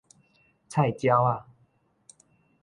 菜鳥仔